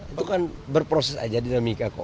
itu kan berproses aja dinamika kok